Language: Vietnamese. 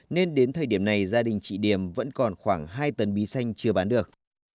nên đến thời điểm này gia đình chị điểm vẫn còn khoảng hai tấn bí xanh chưa bán được